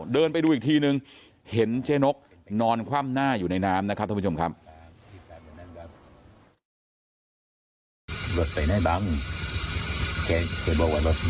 เดินไปดูอีกทีนึงเห็นเจ๊นกนอนคว่ำหน้าอยู่ในน้ำนะครับท่านผู้ชมครับ